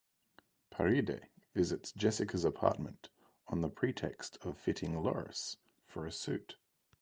Paride visits Jessica's apartment on the pretext of fitting Loris for a suit.